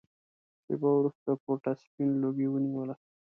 شېبه وروسته کوټه سپين لوګي ونيوله.